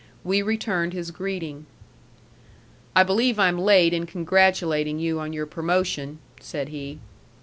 We returned his greeting. "I believe I'm late in congratulating you on your promotion," said he.